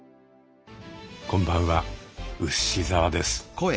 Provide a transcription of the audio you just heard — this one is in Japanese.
こんばんはウシ澤です。